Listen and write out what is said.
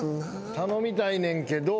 頼みたいねんけど。